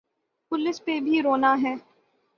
Police پہ بھی رونا ہے۔